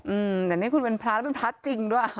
อืมแต่นี่คุณเป็นพระแล้วเป็นพระจริงด้วย